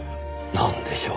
なんでしょう？